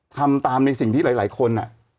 ทำตามในสิ่งที่หลายคน